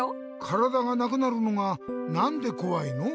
からだがなくなるのがなんでこわいの？